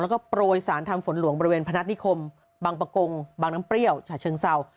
แล้วก็โปรยสารทำฝนหลวงบริเวณพนัฐนิคมบางประกงบางน้ำเปรี้ยวฉะเชิงเศร้า